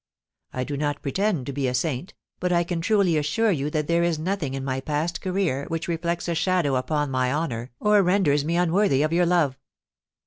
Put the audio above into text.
I do not pretend to be a saint, but I can truly assure you that there is nothing in my past career which re flects a shadow upon my honour or renders me unworthy of yuur love.